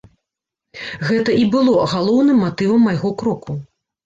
Гэта і было галоўным матывам майго кроку.